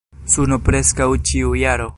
Suno preskaŭ ĉiu jaro.